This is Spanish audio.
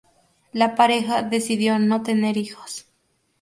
La pareja decidió no tener hijos.